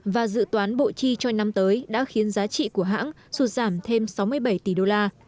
và dự toán bộ chi cho năm tới đã khiến giá trị của hãng sụt giảm thêm sáu mươi bảy tỷ đô la